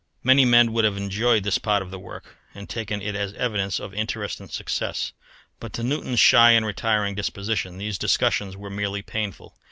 Many men would have enjoyed this part of the work, and taken it as evidence of interest and success. But to Newton's shy and retiring disposition these discussions were merely painful.